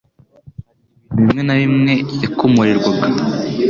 Hari ibintu bimwe na bimwe yakomorerwaga,